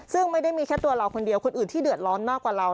ซึ่งไม่ได้มีแค่ตัวเราคนเดียวคนอื่นที่เดือดร้อนมากกว่าเรา